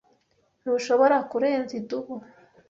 Ntushobora kurenza idubu.